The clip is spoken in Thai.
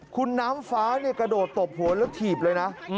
คุณน้ำฟ้ากระโดดตบหัวแล้วถีบเลยนะ